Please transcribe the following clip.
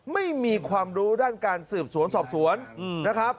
ไม่มีความรู้ด้านการสืบสวนสอบสวนนะครับ